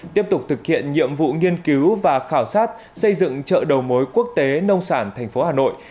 tiếp tục thực hiện nhiệm vụ nghiên cứu và khảo sát xây dựng chợ đầu mối quốc tế nông sản thành phố hà nội